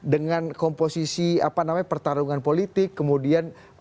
dengan komposisi apa namanya pertarungan politik kemudian